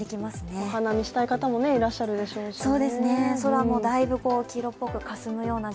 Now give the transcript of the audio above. お花見したい方もいらっしゃるでしょうしね。